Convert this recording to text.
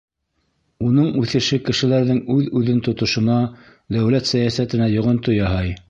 Уның үҫеше кешеләрҙең үҙ-үҙен тотошона, дәүләт сәйәсәтенә йоғонто яһай.